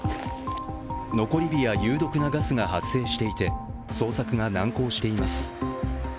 残り火や有毒なガスが発生していて捜索が難航しています。